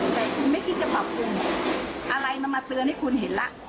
แต่คุณไม่คิดจะปรับปรุงอะไรมันมาเตือนให้คุณเห็นแล้ว